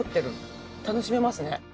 楽しめますね。